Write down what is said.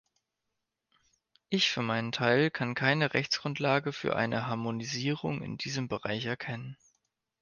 Ich für meinen Teil kann keine Rechtsgrundlage für eine Harmonisierung in diesem Bereich erkennen.